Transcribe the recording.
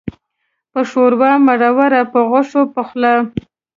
په ښوروا مروره، په غوښه پخلا.